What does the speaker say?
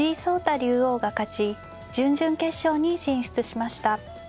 竜王が勝ち準々決勝に進出しました。